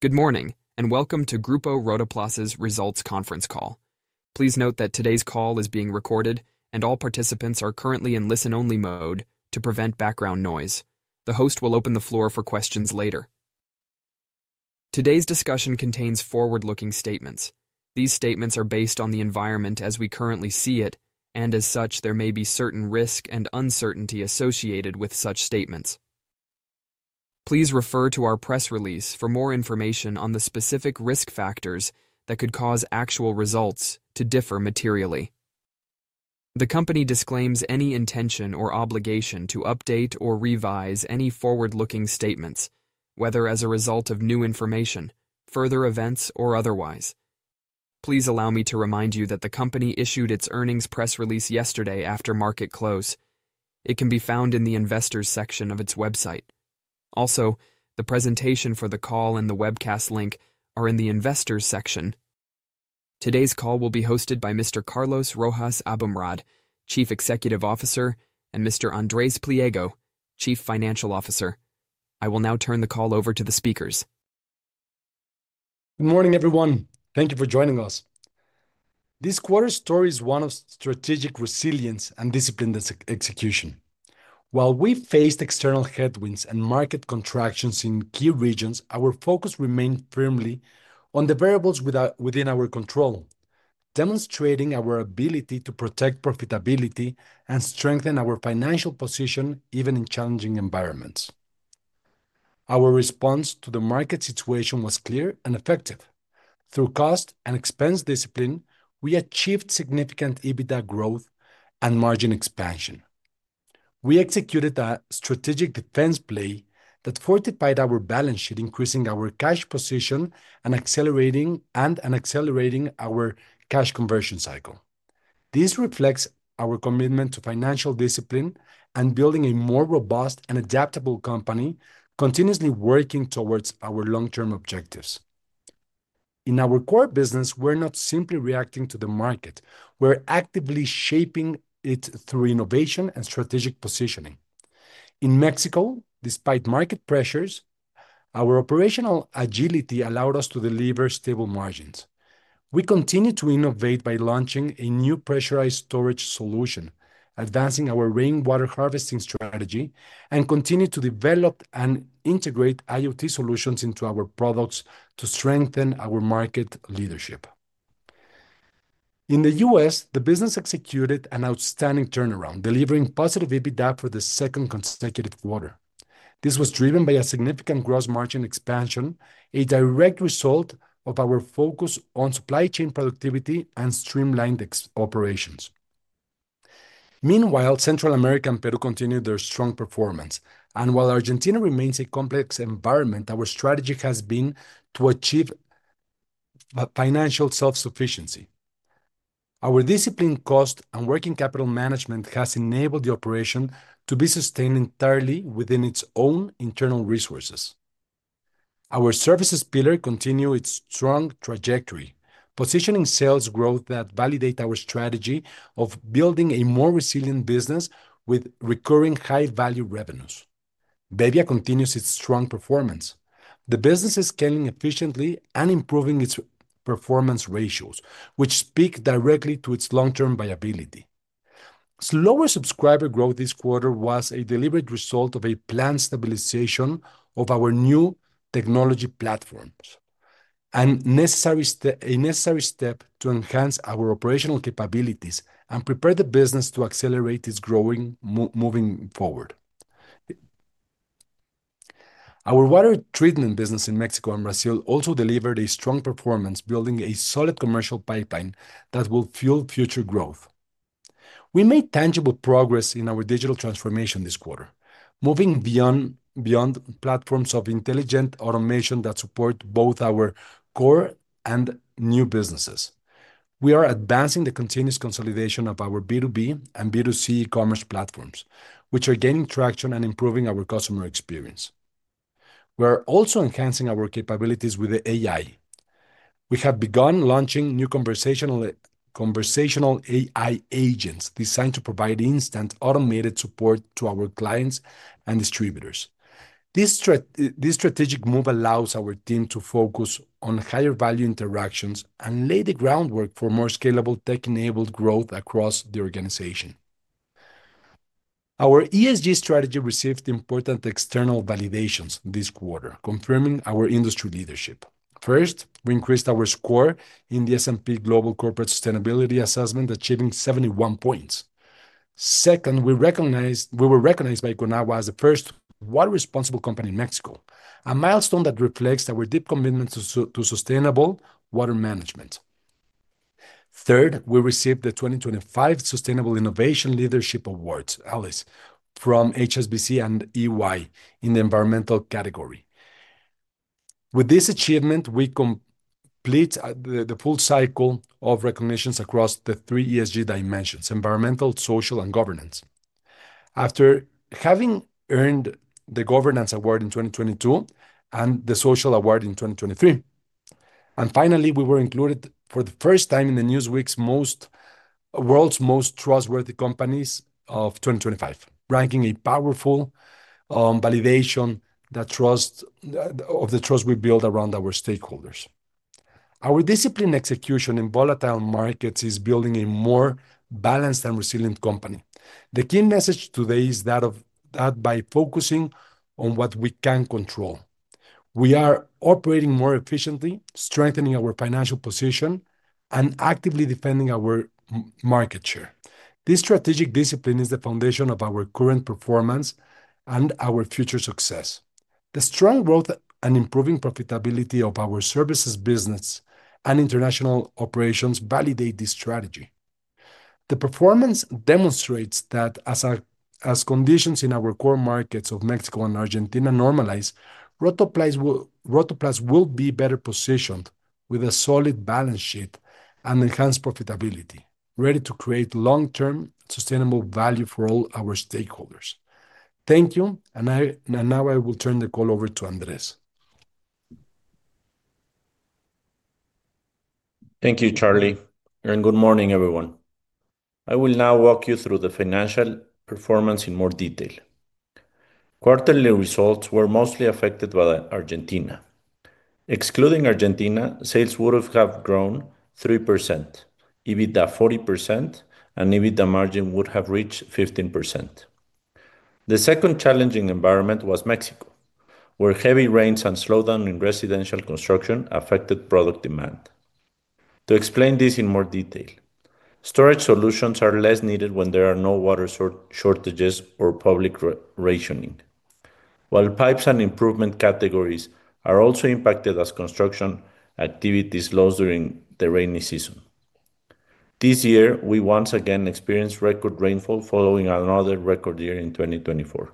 Good morning and welcome to Grupo Rotoplas's results conference call. Please note that today's call is being recorded, and all participants are currently in listen-only mode to prevent background noise. The host will open the floor for questions later. Today's discussion contains forward-looking statements. These statements are based on the environment as we currently see it, and as such, there may be certain risk and uncertainty associated with such statements. Please refer to our press release for more information on the specific risk factors that could cause actual results to differ materially. The company disclaims any intention or obligation to update or revise any forward-looking statements, whether as a result of new information, further events, or otherwise. Please allow me to remind you that the company issued its earnings press release yesterday after market close. It can be found in the Investors section of its website. Also, the presentation for the call and the webcast link are in the Investors section. Today's call will be hosted by Mr. Carlos Rojas Aboumrad, Chief Executive Officer, and Mr. Andres Pliego, Chief Financial Officer. I will now turn the call over to the speakers. Good morning, everyone. Thank you for joining us. This quarter's story is one of strategic resilience and disciplined execution. While we faced external headwinds and market contractions in key regions, our focus remained firmly on the variables within our control, demonstrating our ability to protect profitability and strengthen our financial position even in challenging environments. Our response to the market situation was clear and effective. Through cost and expense discipline, we achieved significant EBITDA growth and margin expansion. We executed a strategic defense play that fortified our balance sheet, increasing our cash position and accelerating our cash conversion cycle. This reflects our commitment to financial discipline and building a more robust and adaptable company, continuously working towards our long-term objectives. In our core business, we're not simply reacting to the market; we're actively shaping it through innovation and strategic positioning. In Mexico, despite market pressures, our operational agility allowed us to deliver stable margins. We continue to innovate by launching a new pressurized storage solution, advancing our rainwater harvesting strategy, and continue to develop and integrate IoT solutions into our products to strengthen our market leadership. In the U.S., the business executed an outstanding turnaround, delivering positive EBITDA for the second consecutive quarter. This was driven by a significant gross margin expansion, a direct result of our focus on supply chain productivity and streamlined operations. Meanwhile, Central America and Peru continue their strong performance, and while Argentina remains a complex environment, our strategy has been to achieve financial self-sufficiency. Our disciplined cost and working capital management have enabled the operation to be sustained entirely within its own internal resources. Our services pillar continues its strong trajectory, positioning sales growth that validates our strategy of building a more resilient business with recurring high-value revenues. Bavariacontinues its strong performance. The business is scaling efficiently and improving its performance ratios, which speak directly to its long-term viability. Slower subscriber growth this quarter was a deliberate result of a planned stabilization of our new technology platforms, a necessary step to enhance our operational capabilities and prepare the business to accelerate its growth moving forward. Our water treatment business in Mexico and Brazil also delivered a strong performance, building a solid commercial pipeline that will fuel future growth. We made tangible progress in our digital transformation this quarter, moving beyond platforms of intelligent automation that support both our core and new businesses. We are advancing the continuous consolidation of our B2B and B2C e-commerce platforms, which are gaining traction and improving our customer experience. We're also enhancing our capabilities with AI. We have begun launching new conversational AI agents designed to provide instant, automated support to our clients and distributors. This strategic move allows our team to focus on higher-value interactions and lay the groundwork for more scalable tech-enabled growth across the organization. Our ESG strategy received important external validations this quarter, confirming our industry leadership. First, we increased our score in the S&P Global Corporate Sustainability Assessment, achieving 71 points. Second, we were recognized by Econau as the first water-responsible company in Mexico, a milestone that reflects our deep commitment to sustainable water management. Third, we received the 2025 Sustainable Innovation Leadership Award from HSBC and EY in the environmental category. With this achievement, we complete the full cycle of recognitions across the three ESG dimensions: environmental, social, and governance. After having earned the Governance Award in 2022 and the Social Award in 2023, and finally, we were included for the first time in Newsweek's World's Most Trustworthy Companies of 2025 ranking, a powerful validation of the trust we build around our stakeholders. Our disciplined execution in volatile markets is building a more balanced and resilient company. The key message today is that by focusing on what we can control, we are operating more efficiently, strengthening our financial position, and actively defending our market share. This strategic discipline is the foundation of our current performance and our future success. The strong growth and improving profitability of our services business and international operations validate this strategy. The performance demonstrates that as conditions in our core markets of Mexico and Argentina normalize, Grupo Rotoplas. will be better positioned with a solid balance sheet and enhanced profitability, ready to create long-term sustainable value for all our stakeholders. Thank you, and now I will turn the call over to Andres Pliego. Thank you, Charlie, and good morning, everyone. I will now walk you through the financial performance in more detail. Quarterly results were mostly affected by Argentina. Excluding Argentina, sales would have grown 3%, EBITDA 40%, and EBITDA margin would have reached 15%. The second challenging environment was Mexico, where heavy rains and slowdowns in residential construction affected product demand. To explain this in more detail, storage solutions are less needed when there are no water shortages or public rationing, while pipes and improvement categories are also impacted as construction activities slow during the rainy season. This year, we once again experienced record rainfall following another record year in 2023.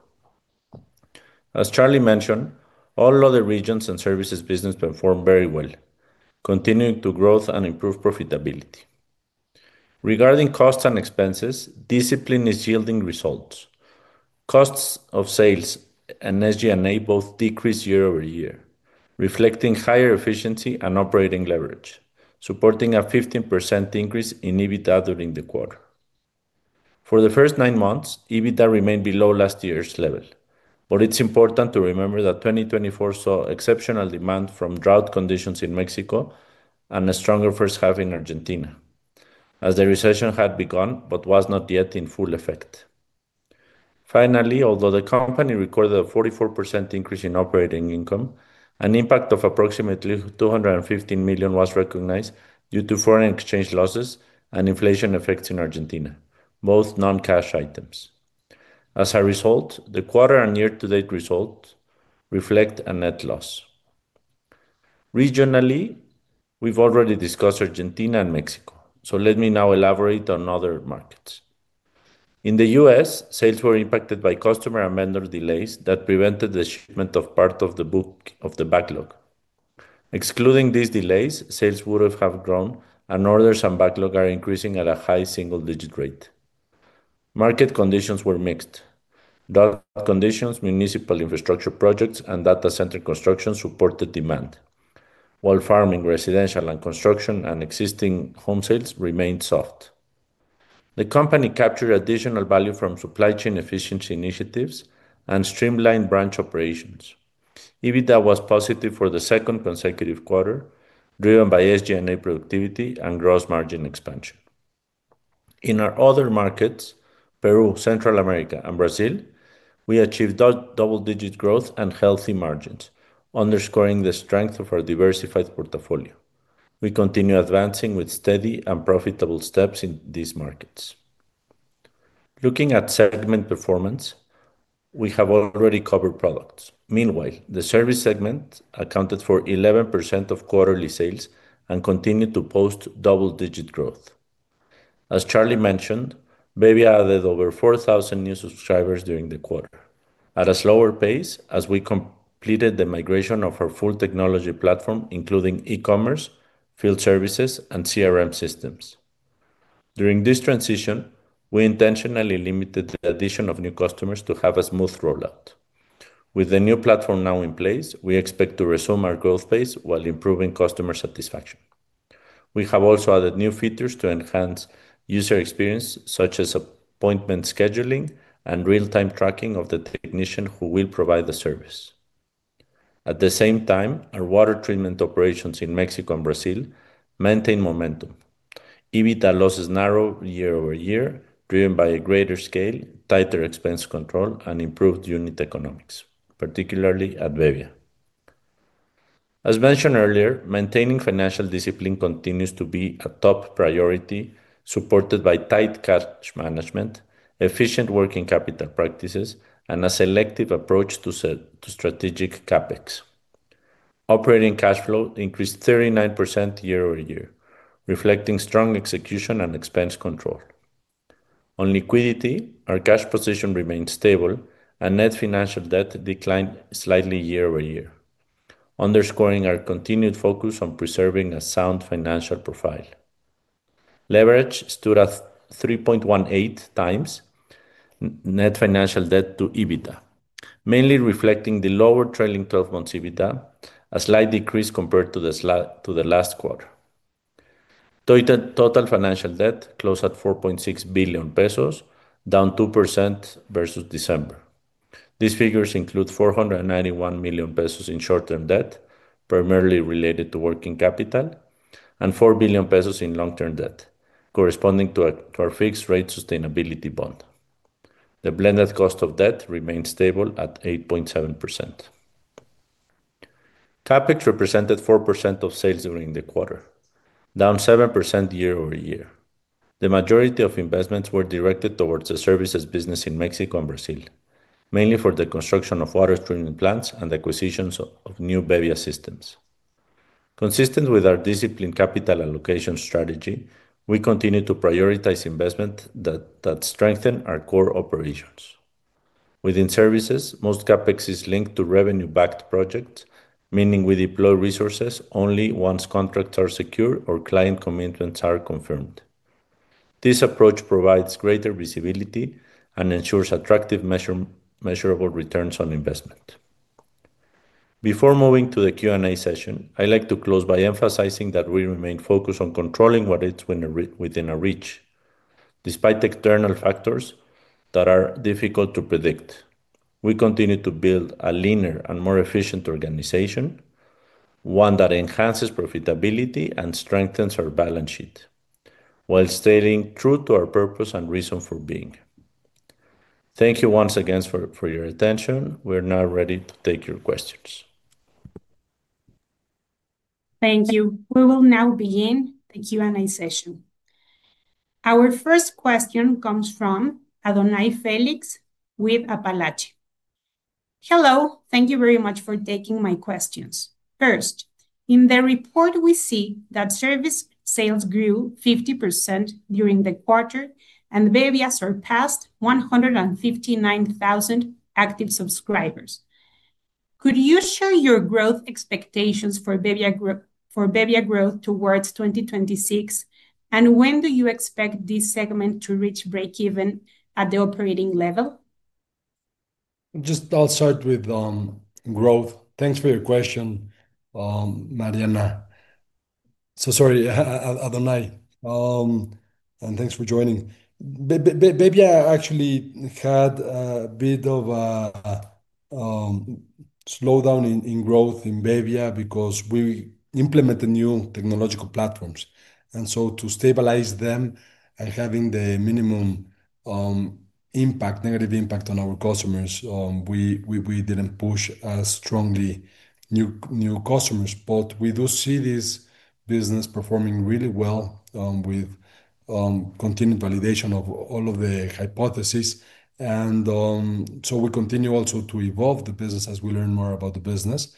As Charlie mentioned, all other regions and services business performed very well, continuing to grow and improve profitability. Regarding costs and expenses, discipline is yielding results. Costs of sales and SG&A both decreased year-over-year, reflecting higher efficiency and operating leverage, supporting a 15% increase in EBITDA during the quarter. For the first nine months, EBITDA remained below last year's level, but it's important to remember that 2023 saw exceptional demand from drought conditions in Mexico and a stronger first half in Argentina, as the recession had begun but was not yet in full effect. Finally, although the company recorded a 44% increase in operating income, an impact of approximately $215 million was recognized due to foreign exchange losses and inflation effects in Argentina, both non-cash items. As a result, the quarter and year-to-date results reflect a net loss. Regionally, we've already discussed Argentina and Mexico, so let me now elaborate on other markets. In the U.S., sales were impacted by customer and vendor delays that prevented the shipment of parts of the book of the backlog. Excluding these delays, sales would have grown, and orders and backlog are increasing at a high single-digit rate. Market conditions were mixed. Drought conditions, municipal infrastructure projects, and data center construction supported demand, while farming, residential, and construction, and existing home sales remained soft. The company captured additional value from supply chain efficiency initiatives and streamlined branch operations. EBITDA was positive for the second consecutive quarter, driven by SG&A productivity and gross margin expansion. In our other markets, Peru, Central America, and Brazil, we achieved double-digit growth and healthy margins, underscoring the strength of our diversified portfolio. We continue advancing with steady and profitable steps in these markets. Looking at segment performance, we have already covered products. Meanwhile, the service segment accounted for 11% of quarterly sales and continued to post double-digit growth. As Charlie mentioned, Bavaria added over 4,000 new subscribers during the quarter, at a slower pace as we completed the migration of our full technology platform, including e-commerce, field services, and CRM systems. During this transition, we intentionally limited the addition of new customers to have a smooth rollout. With the new platform now in place, we expect to resume our growth pace while improving customer satisfaction. We have also added new features to enhance user experience, such as appointment scheduling and real-time tracking of the technician who will provide the service. At the same time, our water treatment operations in Mexico and Brazil maintain momentum. EBITDA losses narrow year-over-year, driven by a greater scale, tighter expense control, and improved unit economics, particularly at Bavaria. As mentioned earlier, maintaining financial discipline continues to be a top priority, supported by tight cash management, efficient working capital practices, and a selective approach to strategic CapEx. Operating cash flow increased 39% year-over-year, reflecting strong execution and expense control. On liquidity, our cash position remained stable, and net financial debt declined slightly year-over-year, underscoring our continued focus on preserving a sound financial profile. Leverage stood at 3.18 times net financial debt to EBITDA, mainly reflecting the lower trailing 12month EBITDA, a slight decrease compared to the last quarter. Total financial debt closed at $4.6 billion pesos, down 2% versus December. These figures include $491 million pesos in short-term debt, primarily related to working capital, and $4 billion pesos in long-term debt, corresponding to our fixed-rate sustainability bond. The blended cost of debt remained stable at 8.7%. CapEx represented 4% of sales during the quarter, down 7% year-over-year. The majority of investments were directed towards the services business in Mexico and Brazil, mainly for the construction of water treatment plants and acquisitions of new Bavaria systems. Consistent with our disciplined capital allocation strategy, we continue to prioritize investments that strengthen our core operations. Within services, most CapEx is linked to revenue-backed projects, meaning we deploy resources only once contracts are secured or client commitments are confirmed. This approach provides greater visibility and ensures attractive, measurable returns on investment. Before moving to the Q&A session, I'd like to close by emphasizing that we remain focused on controlling what is within our reach. Despite external factors that are difficult to predict, we continue to build a leaner and more efficient organization, one that enhances profitability and strengthens our balance sheet, while staying true to our purpose and reason for being. Thank you once again for your attention. We're now ready to take your questions. Thank you. We will now begin the Q&A session. Our first question comes from Adonai Felix with Apalache. Hello. Thank you very much for taking my questions. First, in the report, we see that service sales grew 50% during the quarter, and Bavaria surpassed 159,000 active subscribers. Could you share your growth expectations for Bavaria growth towards 2026, and when do you expect this segment to reach break-even at the operating level? I'll start with growth. Thanks for your question, Mariana. Sorry, Adonai, and thanks for joining. Bavaria actually had a bit of a slowdown in growth because we implemented new technological platforms. To stabilize them and have the minimum negative impact on our customers, we didn't push as strongly for new customers. We do see this business performing really well with continued validation of all of the hypotheses. We continue also to evolve the business as we learn more about the business.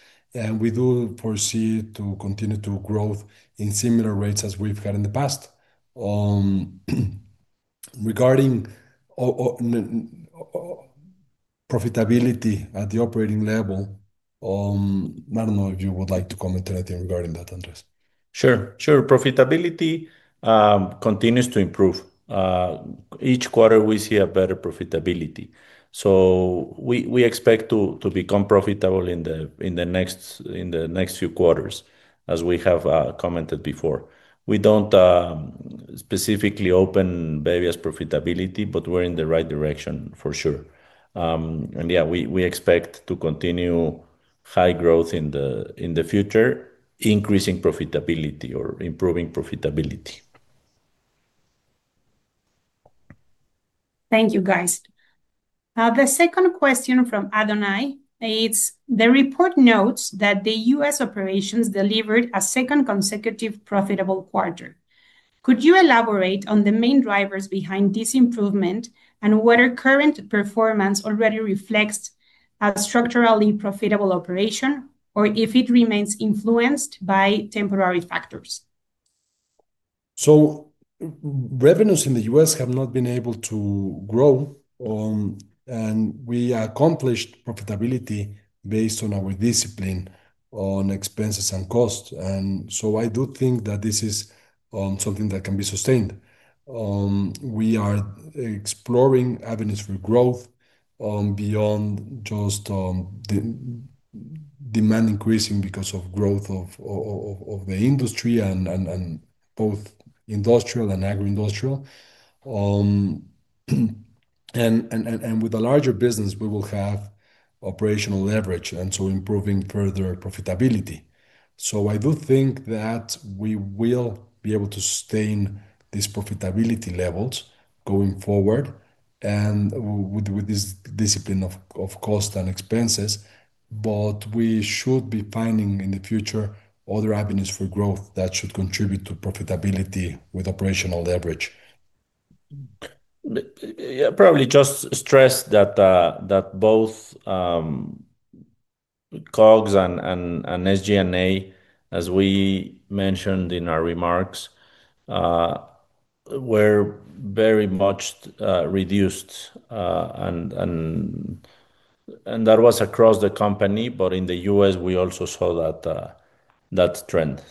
We do foresee continuing to grow at similar rates as we've had in the past. Regarding profitability at the operating level, I don't know if you would like to comment on anything regarding that, Andres. Sure, sure. Profitability continues to improve. Each quarter, we see better profitability. We expect to become profitable in the next few quarters, as we have commented before. We don't specifically open Bavaria's profitability, but we're in the right direction for sure. We expect to continue high growth in the future, increasing profitability or improving profitability. Thank you, guys. The second question from Adonai is, the report notes that the U.S. operations delivered a second consecutive profitable quarter. Could you elaborate on the main drivers behind this improvement and whether current performance already reflects a structurally profitable operation or if it remains influenced by temporary factors? Revenues in the U.S. have not been able to grow, and we accomplished profitability based on our discipline on expenses and costs. I do think that this is something that can be sustained. We are exploring avenues for growth beyond just demand increasing because of growth of the industry, both industrial and agroindustrial. With a larger business, we will have operational leverage, improving further profitability. I do think that we will be able to sustain these profitability levels going forward and with this discipline of cost and expenses. We should be finding in the future other avenues for growth that should contribute to profitability with operational leverage. Yeah, probably just stress that both COGS and SG&A, as we mentioned in our remarks, were very much reduced. That was across the company, but in the U.S., we also saw that trend.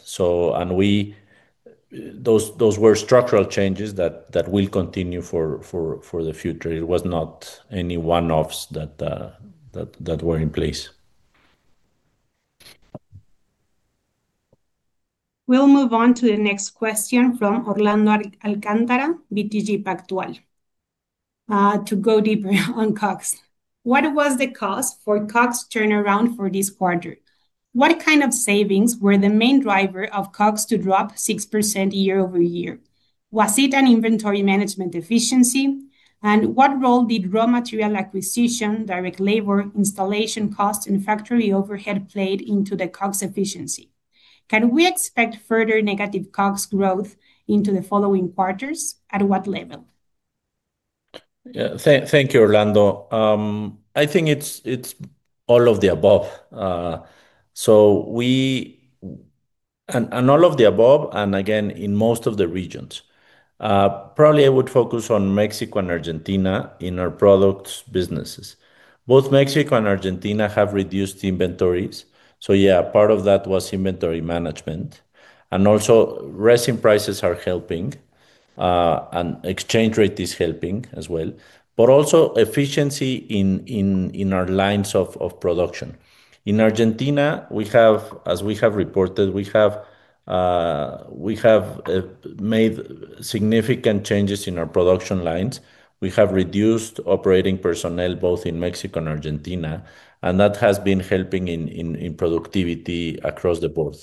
Those were structural changes that will continue for the future. It was not any one-offs that were in place. We'll move on to the next question from Orlando Alcantara, BTG Pactual, to go deeper on COGS. What was the cause for COGS turnaround for this quarter? What kind of savings were the main driver of COGS to drop 6% year-over-year? Was it an inventory management deficiency? What role did raw material acquisition, direct labor, installation costs, and factory overhead play into the COGS efficiency? Can we expect further negative COGS growth into the following quarters? At what level? Yeah, thank you, Orlando. I think it's all of the above. We, and all of the above, and again, in most of the regions. Probably I would focus on Mexico and Argentina in our products businesses. Both Mexico and Argentina have reduced inventories. Part of that was inventory management. Also, resin prices are helping, and exchange rate is helping as well. Also, efficiency in our lines of production. In Argentina, as we have reported, we have made significant changes in our production lines. We have reduced operating personnel both in Mexico and Argentina, and that has been helping in productivity across the board.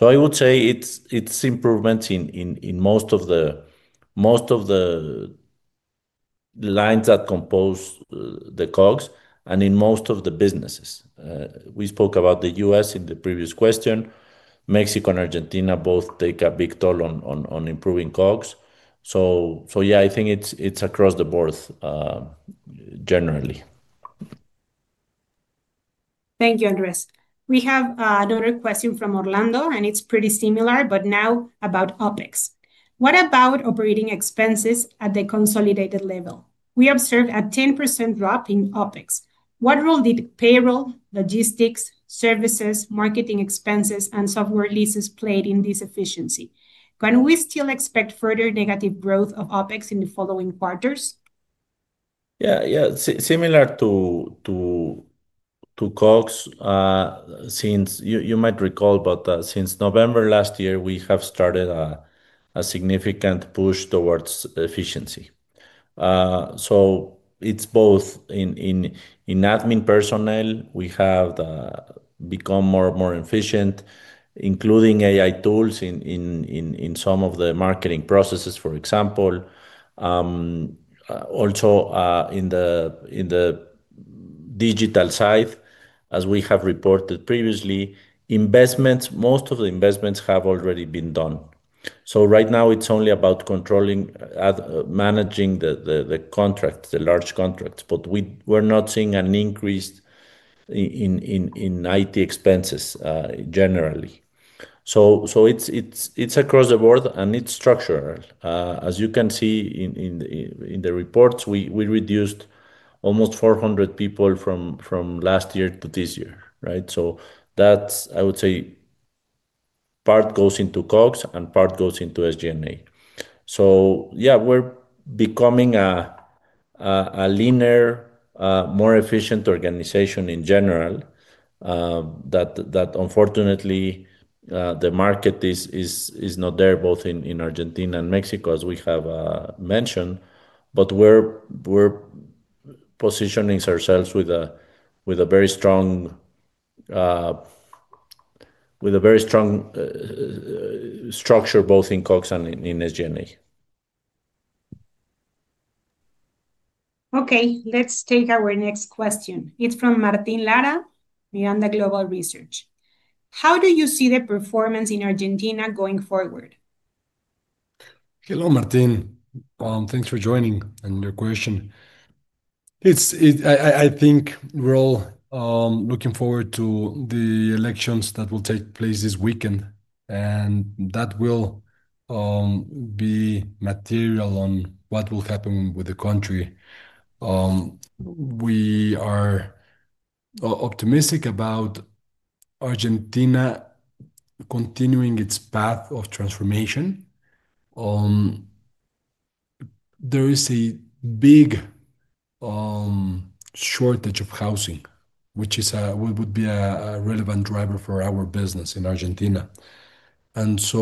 I would say it's improvements in most of the lines that compose the COGS and in most of the businesses. We spoke about the U.S. in the previous question. Mexico and Argentina both take a big toll on improving COGS. I think it's across the board, generally. Thank you, Andres. We have another question from Orlando, and it's pretty similar, but now about OpEx. What about operating expenses at the consolidated level? We observed a 10% drop in OpEx. What role did payroll, logistics, services, marketing expenses, and software leases play in this efficiency? Can we still expect further negative growth of OpEx in the following quarters? Yeah, yeah, similar to COGS. Since you might recall, but since November last year, we have started a significant push towards efficiency. It's both in admin personnel. We have become more and more efficient, including AI tools in some of the marketing processes, for example. Also, in the digital side, as we have reported previously, most of the investments have already been done. Right now, it's only about controlling, managing the contracts, the large contracts. We're not seeing an increase in IT expenses generally. It's across the board, and it's structural. As you can see in the reports, we reduced almost 400 people from last year to this year, right? That's, I would say, part goes into COGS and part goes into SG&A. We're becoming a leaner, more efficient organization in general. Unfortunately, the market is not there, both in Argentina and Mexico, as we have mentioned. We're positioning ourselves with a very strong structure, both in COGS and in SG&A. Okay, let's take our next question. It's from Martin Lara, Miranda Global Research. How do you see the performance in Argentina going forward? Hello, Martin. Thanks for joining and your question. I think we're all looking forward to the elections that will take place this weekend, and that will be material on what will happen with the country. We are optimistic about Argentina continuing its path of transformation. There is a big shortage of housing, which would be a relevant driver for our business in Argentina. As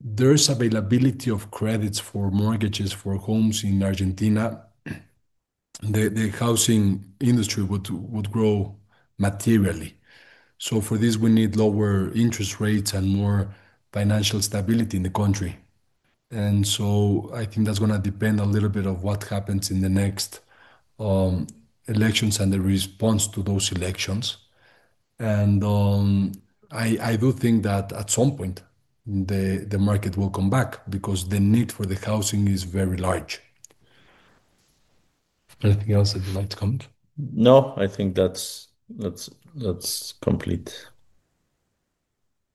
there's availability of credits for mortgages for homes in Argentina, the housing industry would grow materially. For this, we need lower interest rates and more financial stability in the country. I think that's going to depend a little bit on what happens in the next elections and the response to those elections. I do think that at some point, the market will come back because the need for the housing is very large. Anything else that you'd like to comment? No, I think that's complete.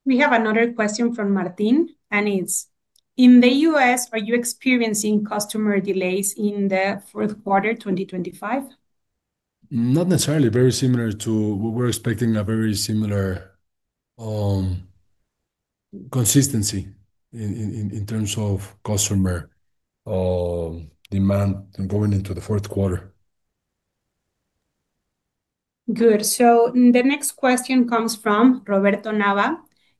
We have another question from Martin, and it's, in the U.S., are you experiencing customer delays in the fourth quarter 2025? Not necessarily. We're expecting a very similar consistency in terms of customer demand going into the fourth quarter. Good. The next question comes from Roberto Nava,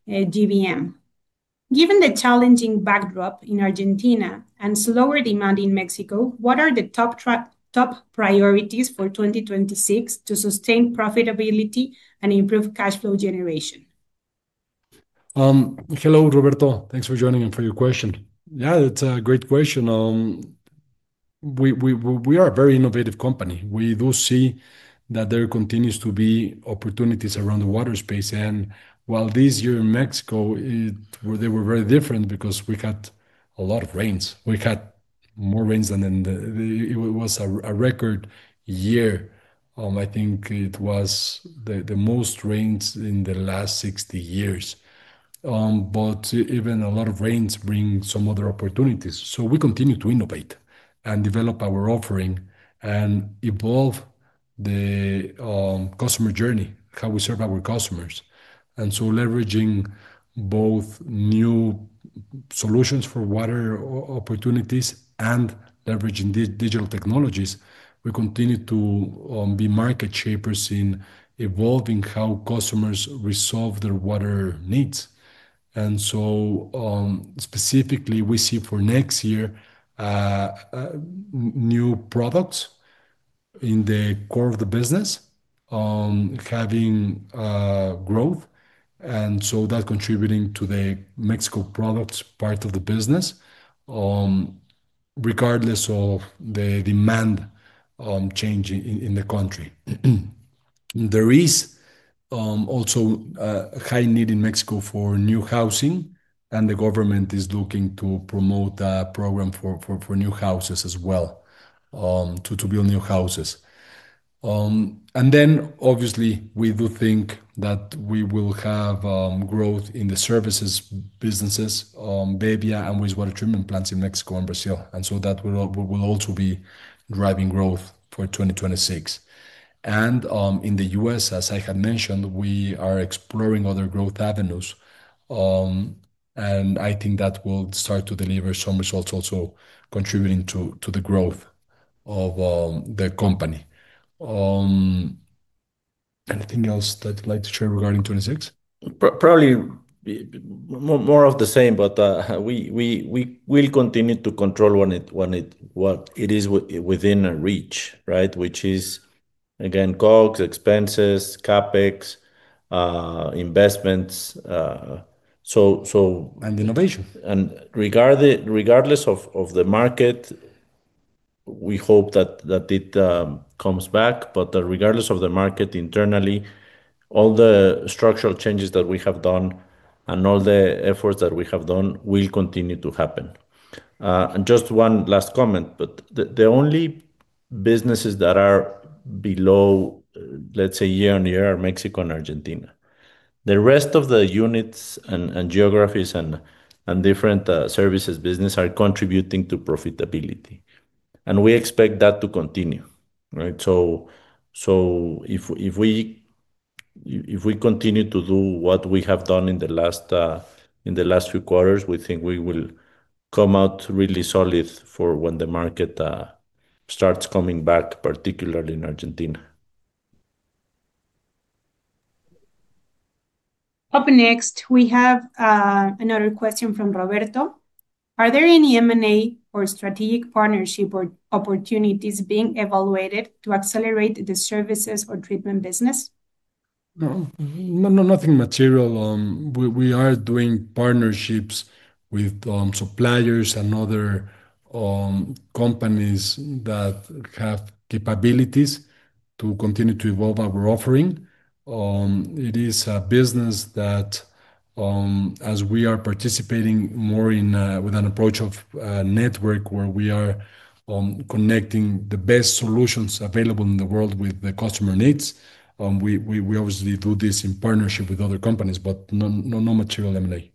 GBM. Given the challenging backdrop in Argentina and slower demand in Mexico, what are the top priorities for 2026 to sustain profitability and improve cash flow generation? Hello, Roberto. Thanks for joining and for your question. Yeah, that's a great question. We are a very innovative company. We do see that there continue to be opportunities around the water space. While this year in Mexico, they were very different because we had a lot of rains. We had more rains than in the, it was a record year. I think it was the most rains in the last 60 years. Even a lot of rains bring some other opportunities. We continue to innovate and develop our offering and evolve the customer journey, how we serve our customers. Leveraging both new solutions for water opportunities and leveraging digital technologies, we continue to be market shapers in evolving how customers resolve their water needs. Specifically, we see for next year, new products in the core of the business having growth. That's contributing to the Mexico products part of the business, regardless of the demand changing in the country. There is also a high need in Mexico for new housing, and the government is looking to promote a program for new houses as well, to build new houses. Obviously, we do think that we will have growth in the services businesses, Bavaria and water treatment plants in Mexico and Brazil. That will also be driving growth for 2026. In the U.S., as I had mentioned, we are exploring other growth avenues, and I think that will start to deliver some results also, contributing to the growth of the company. Anything else that you'd like to share regarding '26? Probably more of the same, but we will continue to control what is within our reach, right? Which is, again, COGS, expenses, CapEx, investments. And innovation. Regardless of the market, we hope that it comes back. Regardless of the market internally, all the structural changes that we have done and all the efforts that we have done will continue to happen. Just one last comment, the only businesses that are below, let's say, year on year are Mexico and Argentina. The rest of the units and geographies and different services businesses are contributing to profitability. We expect that to continue, right? If we continue to do what we have done in the last few quarters, we think we will come out really solid for when the market starts coming back, particularly in Argentina. Up next, we have another question from Roberto. Are there any M&A or strategic partnership opportunities being evaluated to accelerate the services or treatment business? No, nothing material. We are doing partnerships with suppliers and other companies that have capabilities to continue to evolve our offering. It is a business that, as we are participating more with an approach of network, where we are connecting the best solutions available in the world with the customer needs, we obviously do this in partnership with other companies, but no material M&A.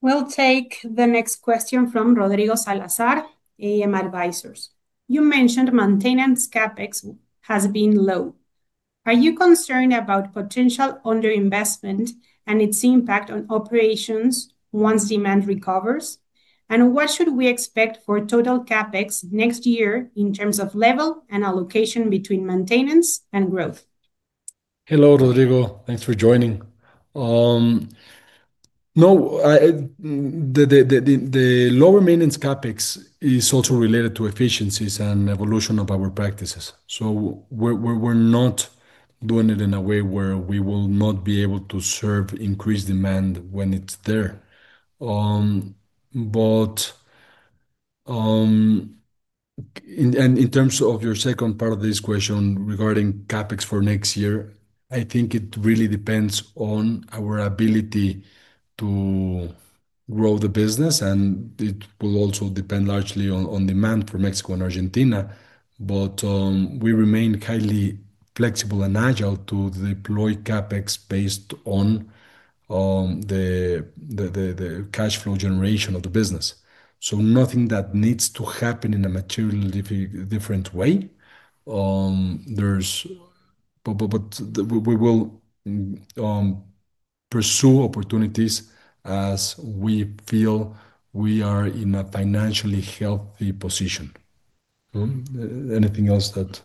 We'll take the next question from Rodrigo Salazar, AM Advisors. You mentioned maintenance CapEx has been low. Are you concerned about potential underinvestment and its impact on operations once demand recovers? What should we expect for total CapEx next year in terms of level and allocation between maintenance and growth? Hello, Rodrigo. Thanks for joining. No, the lower maintenance CapEx is also related to efficiencies and evolution of our practices. We're not doing it in a way where we will not be able to serve increased demand when it's there. In terms of your second part of this question regarding CapEx for next year, I think it really depends on our ability to grow the business, and it will also depend largely on demand for Mexico and Argentina. We remain highly flexible and agile to deploy CapEx based on the cash flow generation of the business. Nothing that needs to happen in a materially different way. We will pursue opportunities as we feel we are in a financially healthy position. Anything else that?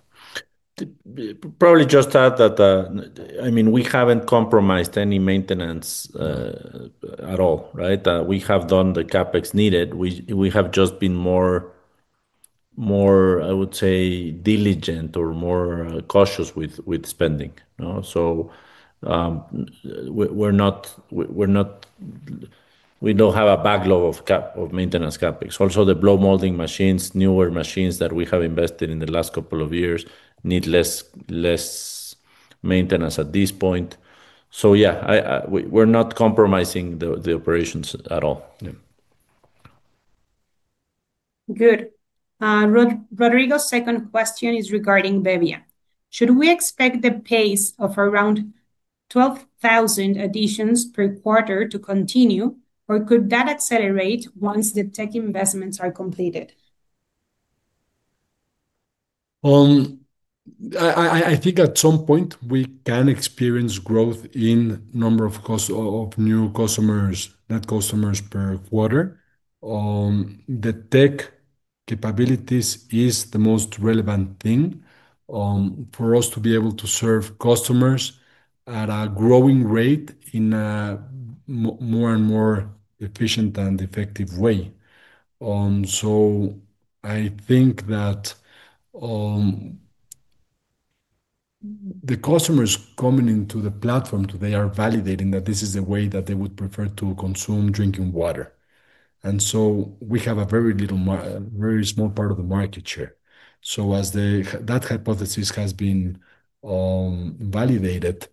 Probably just add that, I mean, we haven't compromised any maintenance at all, right? We have done the CapEx needed. We have just been more, I would say, diligent or more cautious with spending. We're not, we don't have a backlog of maintenance CapEx. Also, the blow molding machines, newer machines that we have invested in the last couple of years, need less maintenance at this point. Yeah, we're not compromising the operations at all. Good. Rodrigo's second question is regarding Bavaria and water treatment plants in Mexico and. Should we expect the pace of around 12,000 additions per quarter to continue, or could that accelerate once the tech investments are completed? I think at some point, we can experience growth in the number of new customers, net customers per quarter. The tech capabilities are the most relevant thing for us to be able to serve customers at a growing rate in a more and more efficient and effective way. I think that the customers coming into the platform today are validating that this is the way that they would prefer to consume drinking water. We have a very little, very small part of the market share. As that hypothesis has been validated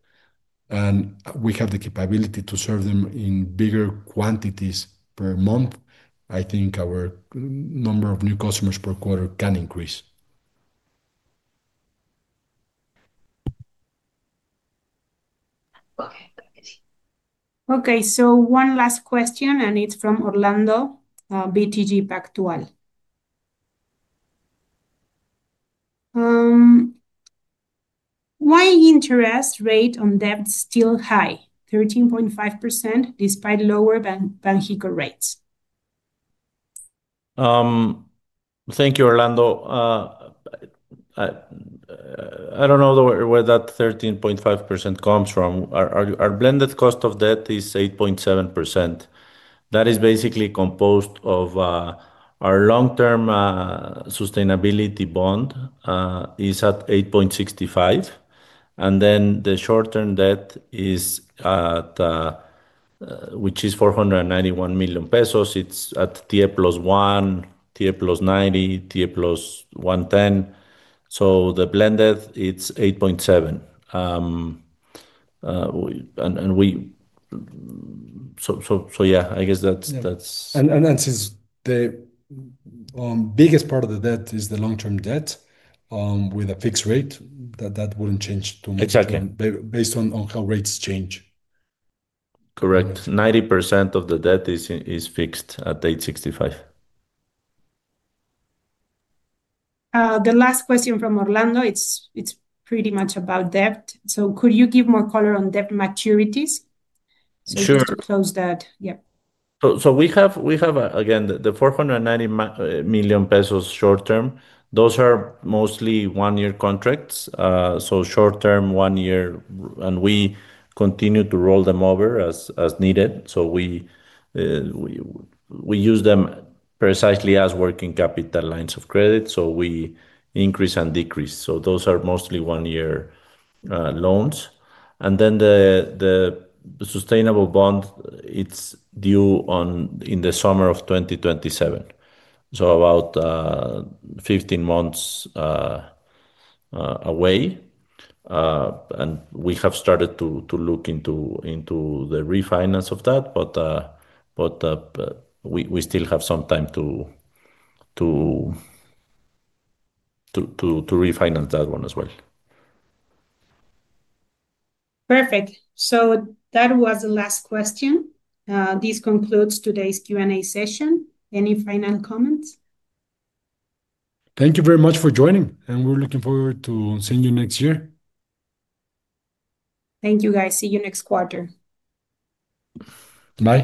and we have the capability to serve them in bigger quantities per month, I think our number of new customers per quarter can increase. Okay, so one last question, and it's from Orlando Alcantara, BTG Pactual. Why is the interest rate on debt still high, 13.5% despite lower Banxico rates? Thank you, Orlando. I don't know where that 13.5% comes from. Our blended cost of debt is 8.7%. That is basically composed of our long-term sustainability bond at 8.65%, and then the short-term debt, which is $491 million pesos, is at TIIE plus 1, TIIE plus 90, TIIE plus 110. The blended is 8.7%. I guess that's it. Since the biggest part of the debt is the long-term debt with a fixed rate, that wouldn't change too much. Exactly. Based on how rates change. Correct. 90% of the debt is fixed at 8.65%. The last question from Orlando, it's pretty much about debt. Could you give more color on debt maturities? Sure. Just to close that, yeah. We have, again, the $490 million pesos short-term. Those are mostly one-year contracts, short-term, one year, and we continue to roll them over as needed. We use them precisely as working capital lines of credit, so we increase and decrease. Those are mostly one-year loans. The sustainable bond is due in the summer of 2027, about 15 months away. We have started to look into the refinance of that, but we still have some time to refinance that one as well. Perfect. That was the last question. This concludes today's Q&A session. Any final comments? Thank you very much for joining, and we're looking forward to seeing you next year. Thank you, guys. See you next quarter. Bye.